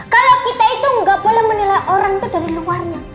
kalau kita itu nggak boleh menilai orang itu dari luarnya